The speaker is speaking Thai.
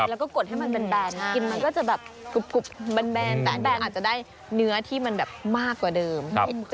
แล้วก็กดให้มันแบนกินมันก็จะแบบกรุบแบนแต่แนนอาจจะได้เนื้อที่มันแบบมากกว่าเดิม